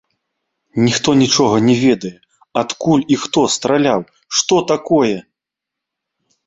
Ніхто нічога не ведае, адкуль і хто страляў, што такое?